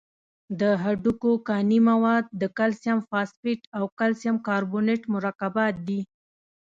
د هډوکو کاني مواد د کلسیم فاسفیټ او کلسیم کاربونیت مرکبات دي.